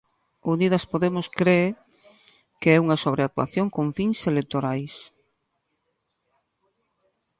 Unidas Podemos cre que é unha sobreactuación con fins electorais.